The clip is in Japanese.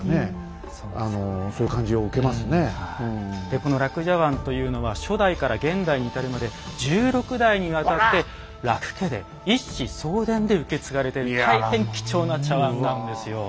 でこの樂茶碗というのは初代から現代に至るまで１６代にわたって樂家で一子相伝で受け継がれている大変貴重な茶碗なんですよ。